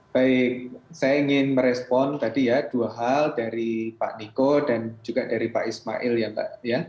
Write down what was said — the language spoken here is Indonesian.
baik saya ingin merespon tadi ya dua hal dari pak niko dan juga dari pak ismail ya mbak